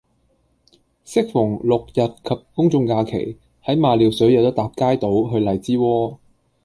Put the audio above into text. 適逢六、日及公眾假期，喺馬料水有得搭街渡去荔枝窩